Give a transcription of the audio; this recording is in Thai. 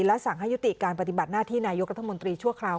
และสั่งให้ยุติการปฏิบัติหน้าที่นายกรัฐมนตรีชั่วคราว